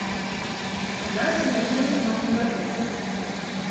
А нас завярнулі зноў на дагляд.